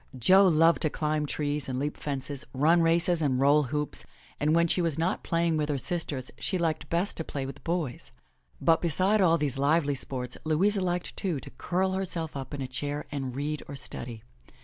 Jo loved to climb trees and leap fences, run races and roll hoops, and when she was not playing with her sisters she liked best to play with boys. But beside all these lively sports, Louisa liked, too, to curl herself up in a chair and read or study.